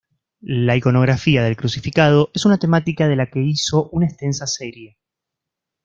La iconografía del crucificado es una temática de la que hizo una extensa serie.